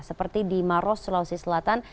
seperti di maros sulawesi selatan